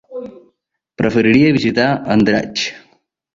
Preferiria visitar Andratx.